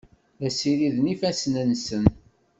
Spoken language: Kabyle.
La ssiriden ifassen-nsen.